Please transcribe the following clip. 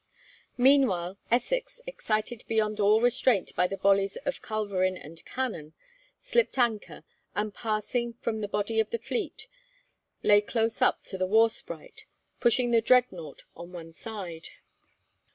Meanwhile, Essex, excited beyond all restraint by the volleys of culverin and cannon, slipped anchor, and passing from the body of the fleet, lay close up to the 'War Sprite,' pushing the 'Dreadnought' on one side.